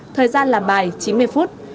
thời gian làm bài chín mươi phút